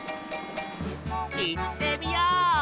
いってみよう！